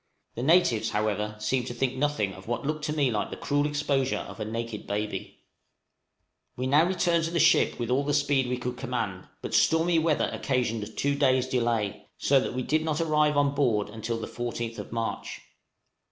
The natives, however, seemed to think nothing of what looked to me like cruel exposure of a naked baby. {RETURN TO THE 'FOX.'} We now returned to the ship with all the speed we could command; but stormy weather occasioned two days' delay, so that we did not arrive on board until the 14th March.